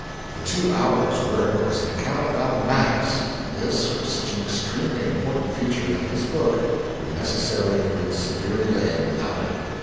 The two hours' work was an account of Appomattox and this was such an extremely important feature that his book would necessarily have been severely lame without it.